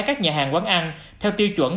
các nhà hàng quán ăn theo tiêu chuẩn